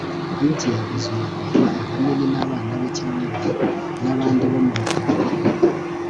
ibye bizungurwa ahanini n'abana be cyangwa n'abandi bo mu muryango we